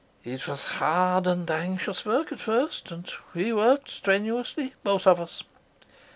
"It was hard and anxious work at first, and we worked strenuously, both of us.